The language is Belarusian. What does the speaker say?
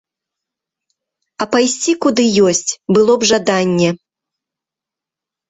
А пайсці куды ёсць, было б жаданне!